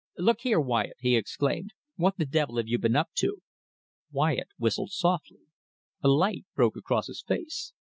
"Look here, Wyatt," he exclaimed, "what the devil have you been up to?" Wyatt whistled softly. A light broke across his face.